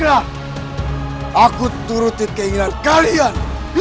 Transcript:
aku turuti keinginan kalian